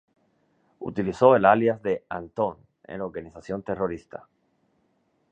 Utilizó el alias de "Antón" en la organización terrorista.